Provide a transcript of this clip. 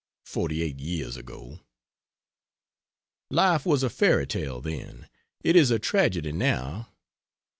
Forty eight years ago! Life was a fairy tale, then, it is a tragedy now.